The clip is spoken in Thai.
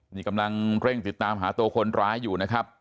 นี่กำลังเร่งติดตามหาตัวคนร้ายอยู่นะครับ